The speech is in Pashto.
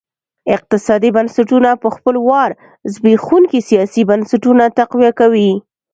اقتصادي بنسټونه په خپل وار زبېښونکي سیاسي بنسټونه تقویه کوي.